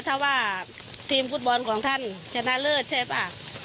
ถ้าว่าทีมฟุตบอลของท่านชนะเลิศใช่ป่ะ